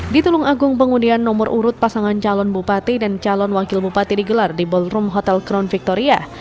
di tulung agung pengundian nomor urut pasangan calon bupati dan calon wakil bupati digelar di ballroom hotel kron victoria